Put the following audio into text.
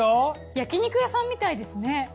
焼き肉屋さんみたいですね。